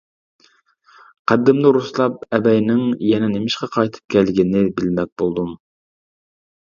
قەددىمنى رۇسلاپ، ئەبەينىڭ يەنە نېمىشقا قايتىپ كەلگىنىنى بىلمەك بولدۇم.